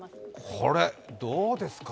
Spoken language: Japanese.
これ、どうですか？